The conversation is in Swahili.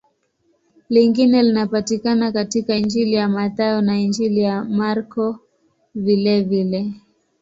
Lingine linapatikana katika Injili ya Mathayo na Injili ya Marko vilevile.